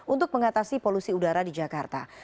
untuk mengatasi polusi udara di jakarta